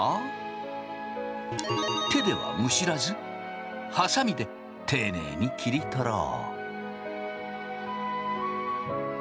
手ではむしらずハサミで丁寧に切り取ろう。